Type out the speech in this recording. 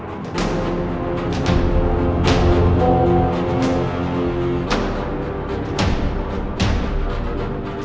insya allah currents ini benar benar understand